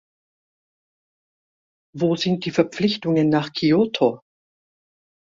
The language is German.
Wo sind die Verpflichtungen nach Kyoto?